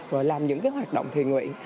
và làm những cái hoạt động thuyền nguyện